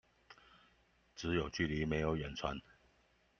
只有距離沒有遠傳